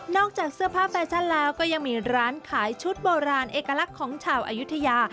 จากเสื้อผ้าแฟชั่นแล้วก็ยังมีร้านขายชุดโบราณเอกลักษณ์ของชาวอายุทยา